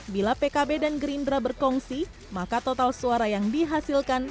bila pkb dan gerindra berkongsi maka total suara yang dihasilkan